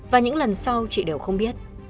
và những lần sau chị đều không biết